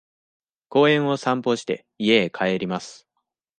公園を散歩して、家へ帰ります。